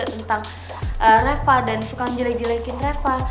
tentang reva dan suka ngejelekin reva